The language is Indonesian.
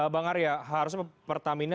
bang arya harusnya pertaminanya